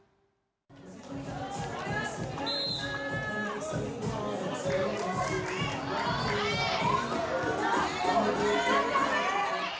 pertandingan bola voli pasir dki jakarta dua melawan tim jawa barat